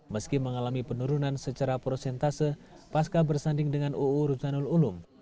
meski mengalami penurunan secara prosentase pasca bersanding dengan uu ruzanul ulum